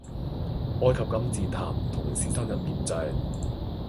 埃及金字塔同獅身人面像